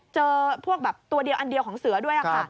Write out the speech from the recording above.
เจอพวกแบบตัวเดียวอันเดียวของเสือด้วยค่ะ